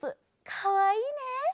かわいいね。